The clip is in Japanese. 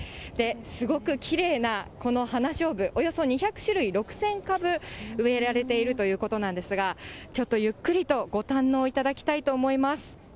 すごくきれいなこの花しょうぶ、およそ２００種類６０００株植えられているということなんですが、ちょっとゆっくりとご堪能いただきたいと思います。